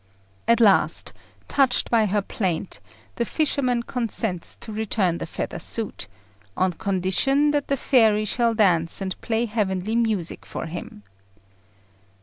At last, touched by her plaint, the fisherman consents to return the feather suit, on condition that the fairy shall dance and play heavenly music for him.